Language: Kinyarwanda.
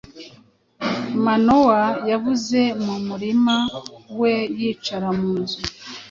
Manoa yavuye mu murima we yicara mu nzu,